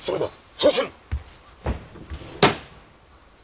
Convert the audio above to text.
そうする！